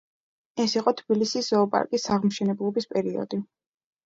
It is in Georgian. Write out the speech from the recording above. ეს იყო თბილისის ზოოპარკის აღმშენებლობის პერიოდი.